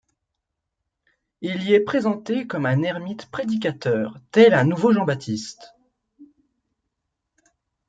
Il y est présenté comme un ermite prédicateur tel un nouveau Jean Baptiste.